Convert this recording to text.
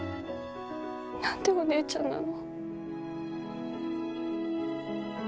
何でお姉ちゃんなの。